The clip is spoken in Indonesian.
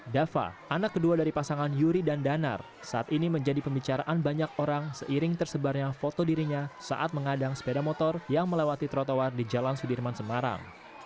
dava anak kedua dari pasangan yuri dan danar saat ini menjadi pembicaraan banyak orang seiring tersebarnya foto dirinya saat mengadang sepeda motor yang melewati trotoar di jalan sudirman semarang